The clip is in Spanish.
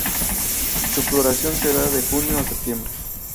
Su floración se da de junio a septiembre.